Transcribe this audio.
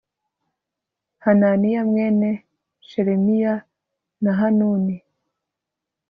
Hananiya mwene Shelemiya na Hanuni